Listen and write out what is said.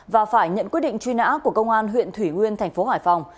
và phải nhận quy định truy nã của công an huyện thủy nguyên tp hải phòng